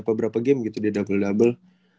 beberapa game gitu di double double